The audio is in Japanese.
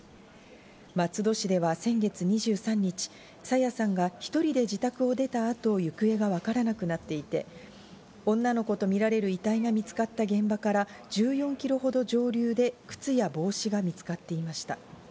松戸市では先月２３日、朝芽さんが１人で自宅を出た後、行方がわからなくなっていて、女の子とみられる遺体が見つかった現場から１４キロほど上流で靴や帽子が見つかっていました。